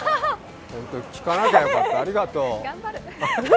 聞かなきゃよかった、ありがとう。